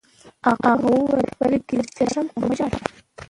هغې وویل: فرګي، زه شرم کوم، مه ژاړه.